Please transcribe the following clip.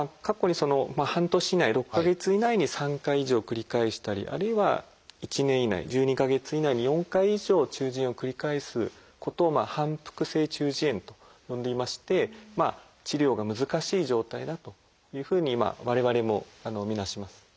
過去に半年以内６か月以内に３回以上繰り返したりあるいは１年以内１２か月以内に４回以上中耳炎を繰り返すことを「反復性中耳炎」と呼んでいまして治療が難しい状態だというふうに我々も見なします。